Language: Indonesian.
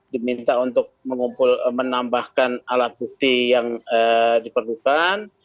diminta untuk mengumpul menambahkan alat bukti yang diperlukan